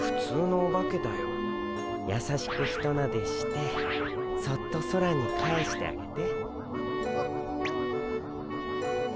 やさしくひとなでしてそっと空に返してあげて。